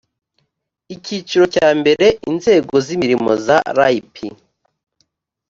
icyiciro cya mbere inzego z imirimo za rp